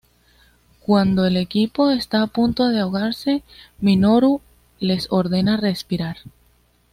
Cuando el equipo está a punto de ahogarse, Minoru les ordena respirar.